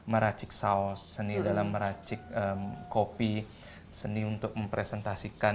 meracik saus seni dalam meracik kopi seni untuk mempresentasikan